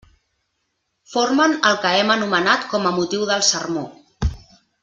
Formen el que hem anomenat com a motiu del sermó.